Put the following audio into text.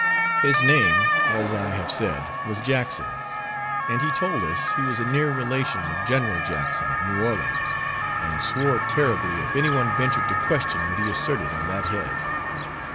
His name, as I have said, was Jackson; and he told us, he was a near relation of General Jackson of New Orleans, and swore terribly, if any one ventured to question what he asserted on that head.